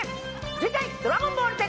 次回「ドラゴンボールＺ」